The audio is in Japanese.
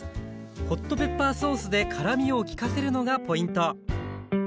ホットペッパーソースで辛みを利かせるのがポイント